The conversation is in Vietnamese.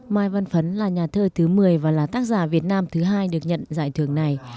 mai văn phấn là nhà thơ thứ một mươi và là tác giả việt nam thứ hai được nhận giải thưởng này